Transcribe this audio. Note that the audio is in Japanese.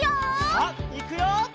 さあいくよ！